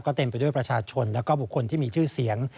เต็มไปด้วยประชาชนและบุคคลที่มีชื่อเสียง